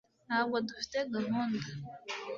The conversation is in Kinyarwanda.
ntabwo dufite gahunda